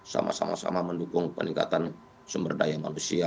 sama sama mendukung peningkatan sumber daya manusia